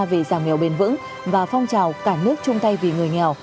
về giảm nghèo bền vững và phong trào cả nước chung tay vì người nghèo